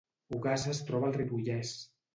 Ogassa es troba al Ripollès